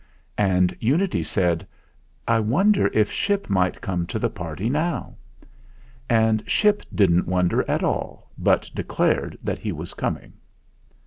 And Unity said, "I wonder if Ship might come to the party now ?" And Ship didn't wonder at all, but declared that he was coming.